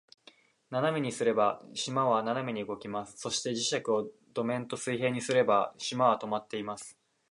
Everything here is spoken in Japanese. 斜めにすれば、島は斜めに動きます。そして、磁石を土面と水平にすれば、島は停まっています。